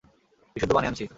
বিশুদ্ধ পানি আনছি।